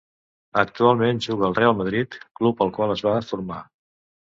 Actualment juga al Real Madrid, club al qual es va formar.